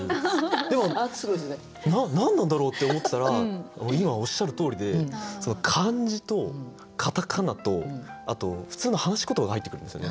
でも「何なんだろう？」って思ってたら今おっしゃるとおりで漢字とカタカナとあと普通の話し言葉が入ってくるんですよね。